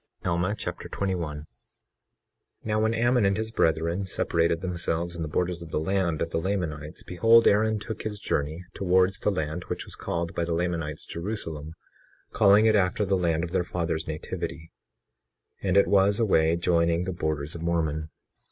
Alma Chapter 21 21:1 Now when Ammon and his brethren separated themselves in the borders of the land of the Lamanites, behold Aaron took his journey towards the land which was called by the Lamanites, Jerusalem, calling it after the land of their fathers' nativity; and it was away joining the borders of Mormon.